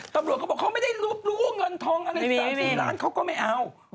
ตำรวจเขาบอกเขาไม่ได้รูปรู้เงินทองอะไร๓๐ล้านเขาก็ไม่เอา